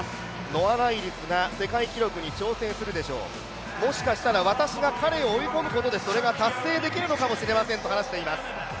ノア・ライルズが世界記録に挑戦するでしょう、もしかしたら私が彼を追い込むことでそれが達成できるのかもしれませんと話しています。